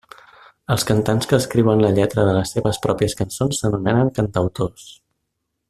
Els cantants que escriuen la lletra de les seves pròpies cançons s'anomenen cantautors.